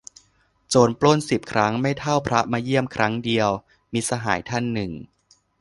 "โจรปล้นสิบครั้ง ไม่เท่าพระมาเยี่ยมครั้งเดียว" - มิตรสหายท่านหนึ่ง